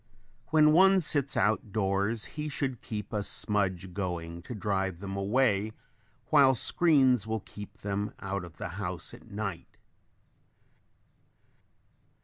When one sits out doors he should keep a smudge going to drive them away while screens will keep them out of the house at night.